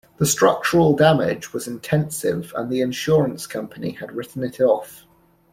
The structural damage was intensive, and the insurance company had written-it-off.